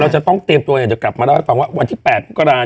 เราจะต้องเตรียมตัวเนี้ยจะกลับมาแล้วให้ฟังว่าวันที่๘โมกราคม